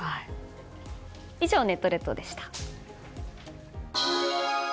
以上、ネット列島でした。